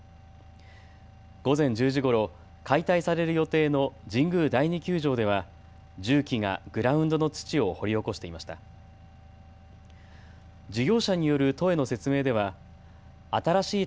午前１０時ごろ、解体される予定の神宮第二球場では重機がグラウンドの土を掘り起こしていました。